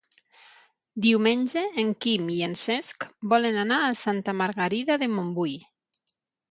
Diumenge en Quim i en Cesc volen anar a Santa Margarida de Montbui.